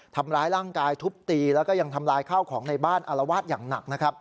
ทำร้ายร่างกายทุบตีแล้วก็ยังทำลายข้าวของในบ้านอารวาสอย่างหนักนะครับ